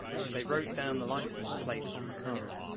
They wrote down the license plate on the car.